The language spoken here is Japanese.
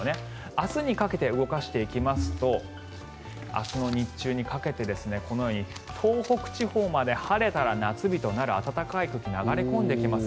明日にかけて動かしていきますと明日の日中にかけて東北地方まで晴れたら夏日となる暖かい空気が流れ込んできます。